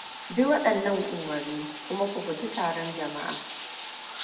Bi waɗannan umarni, kuma ku guji taron jama'a.